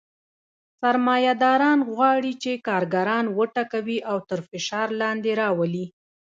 سرمایه داران غواړي چې کارګران وټکوي او تر فشار لاندې راولي